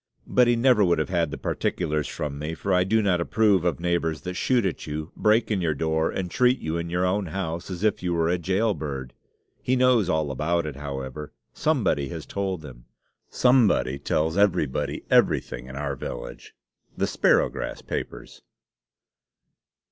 But he never would have had the particulars from me, for I do not approve of neighbors that shoot at you, break in your door, and treat you, in your own house, as if you were a jailbird. He knows all about it, however somebody has told him somebody tells everybody everything in our village. _The Sparrowgrass Papers.